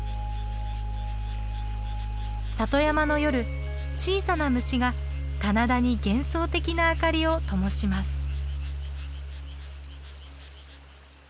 里山の夜小さな虫が棚田に幻想的な明かりをともします。